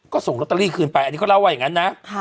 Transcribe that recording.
ก็ส่งลอตเตอรี่คืนไปอันนี้เขาเล่าว่าอย่างนั้นนะ